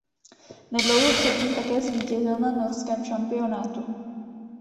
Nedlouho předtím také zvítězil na norském šampionátu.